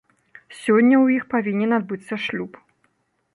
Сёння ў іх павінен адбыцца шлюб.